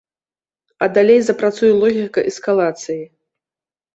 А далей запрацуе логіка эскалацыі.